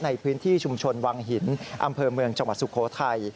ในพื้นที่ชุมชนวังหินอำเภอเมืองจังหวัดสุโขทัย